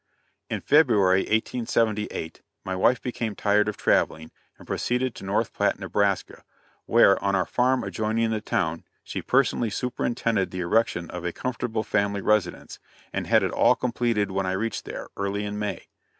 In February, 1878, my wife became tired of traveling, and proceeded to North Platte, Nebraska, where, on our farm adjoining the town, she personally superintended the erection of a comfortable family residence, and had it all completed when I reached there, early in May.